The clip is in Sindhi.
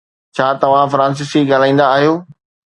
ڇا توهان فرانسيسي ڳالهائيندا آهيو؟